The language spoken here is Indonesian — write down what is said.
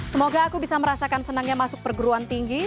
semoga aku bisa merasakan senangnya masuk perguruan tinggi